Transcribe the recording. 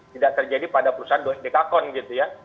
tidak terjadi pada perusahaan deka con gitu ya